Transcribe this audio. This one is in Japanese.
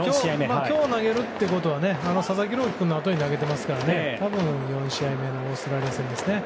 今日投げるということは佐々木朗希君のあとに投げてますから、多分４試合目のオーストラリア戦ですね。